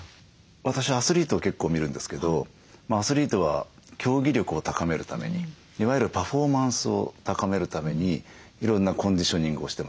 私アスリートを結構見るんですけどアスリートは競技力を高めるためにいわゆるパフォーマンスを高めるためにいろんなコンディショニングをしてます。